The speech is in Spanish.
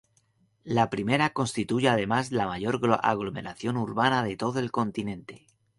La primera constituye además la mayor aglomeración urbana de todo el continente.